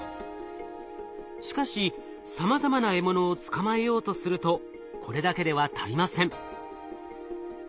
しかしさまざまな獲物を捕まえようとするとこれだけでは足りません。